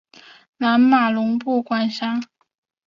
南马农布管辖。